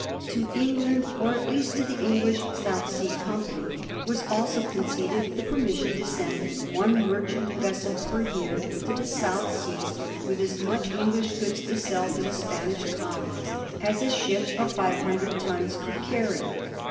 To England, or at least to the English South Sea Company, was also conceded the permission to send one merchant vessel each year to the South Seas with as much English goods to sell to the Spanish colonies as a 1738. THE TREATIES WITH SPAIN. 151 ship of 600 tons could carry.